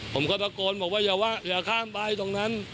ผมก็ตะโกนบอกว่าอย่าว่าอย่าข้ามไปตรงนั้น